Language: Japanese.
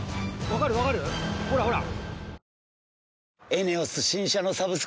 ほらほら。